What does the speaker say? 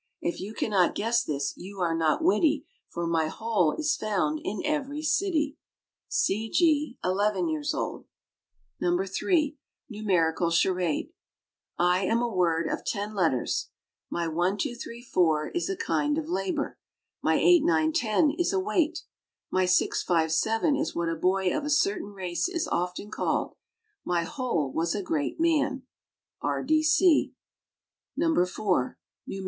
If you can not guess this, you are not witty, For my whole is found in every city. C. G. (eleven years old). No. 3. NUMERICAL CHARADE. I am a word of 10 letters. My 1, 2, 3, 4 is a kind of labor. My 8, 9, 10 is a weight. My 6, 5, 7 is what a boy of a certain race is often called. My whole was a great man. R. D. C. No.